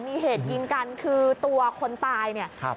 มีเหตุยิงกันคือตัวคนตายเนี่ยครับ